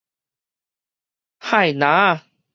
幌籃仔